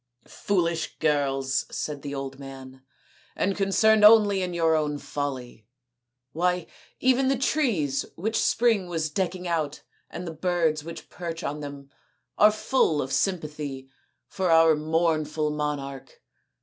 " Foolish girls," said the old man, " and con cerned only in your own folly. Why, even the trees which spring was decking and the birds which perch on them are full of sympathy for our mournful SAKUNTALA AND DUSHYANTA 241 monarch.